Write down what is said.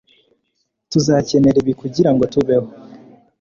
Tuzakenera ibi kugirango tubeho